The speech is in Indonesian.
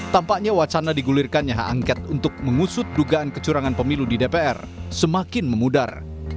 tampaknya wacana digulirkannya hak angket untuk mengusut dugaan kecurangan pemilu di dpr semakin memudar